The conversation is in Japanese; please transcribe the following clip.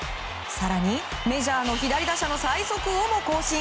更に、メジャーの左打者の最速をも更新。